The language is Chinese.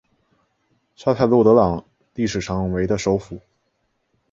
沙泰洛德朗历史上为的首府。